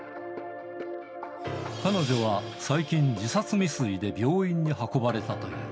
彼女は最近、自殺未遂で病院に運ばれたという。